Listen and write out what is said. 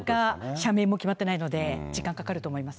社名も決まってないので、時間かかると思います。